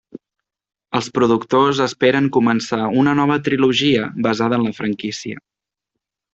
Els productors esperen començar una nova trilogia basada en la franquícia.